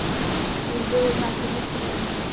Dům byl následně stržen.